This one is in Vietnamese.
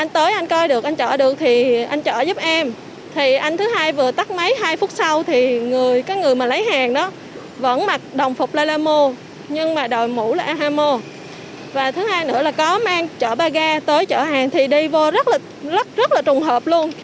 tới chợ hàng thì đi vô rất là trùng hợp luôn